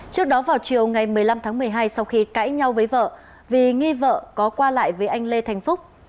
trước đó vào chiều ngày một mươi năm tháng một mươi hai sau khi cãi nhau với vợ vì nghi vợ có qua lại với anh lê thành phúc